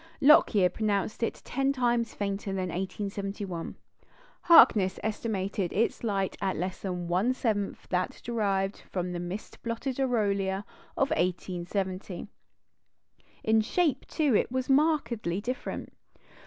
Lockyer pronounced it ten times fainter than in 1871; Harkness estimated its light at less than one seventh that derived from the mist blotted aureola of 1870. In shape, too, it was markedly different.